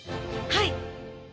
はい！